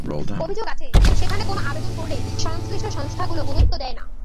অভিযোগ আছে, সেখানে কোনো আবেদন পড়লে সংশ্লিষ্ট সংস্থাগুলো গুরুত্ব দেয় না।